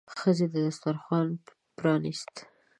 ښځې دسترخوان پرانيست.